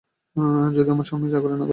যদি আমার স্বামীর চাকরি না থাকত।